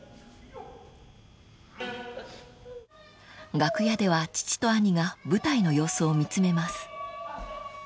［楽屋では父と兄が舞台の様子を見詰めます］